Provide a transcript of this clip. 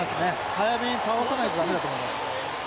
早めに倒さないと駄目だと思います。